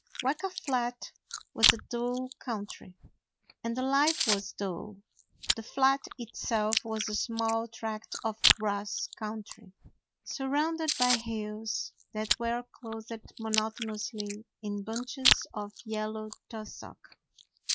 Weka Flat was a dull country, and the life was dull. The flat itself was a small tract of grass country, surrounded by hills that were clothed monotonously in bunches of yellow tus sock.